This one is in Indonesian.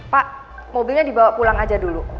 pak mobilnya dibawa pulang aja dulu